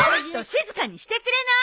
静かにしてくれない！？